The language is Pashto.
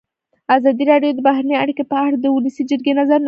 ازادي راډیو د بهرنۍ اړیکې په اړه د ولسي جرګې نظرونه شریک کړي.